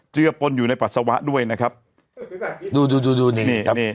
เจอปนอยู่ในปัสสาวะด้วยนะครับดูดูดูดูนี่นี่ครับนี่